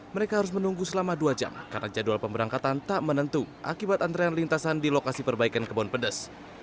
mereka harus menunggu selama dua jam karena jadwal pemberangkatan tak menentu akibat antrean lintasan di lokasi perbaikan kebon pedes